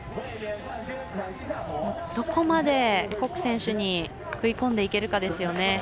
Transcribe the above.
どこまで谷選手に食い込んでいけるかですね。